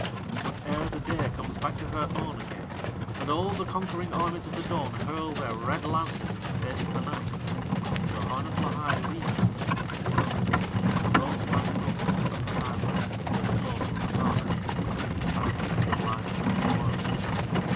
But ere the day comes back to her own again, and all the conquering armies of the dawn hurl their red lances in the face of the night, Yoharneth Lahai leaves the sleeping Worlds, and rows back up the River of Silence, that flows from Pegana into the Sea of Silence that lies beyond the Worlds.